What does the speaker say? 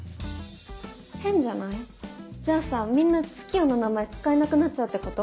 変じゃない？じゃあさみんなツキヨンの名前使えなくなっちゃうってこと？